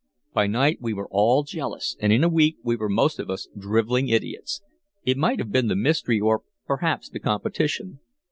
By night we were all jealous, and in a week we were most of us drivelling idiots. It might have been the mystery or, perhaps, the competition.